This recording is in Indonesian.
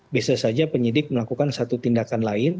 bisa saja penyidik melakukan satu tindakan lain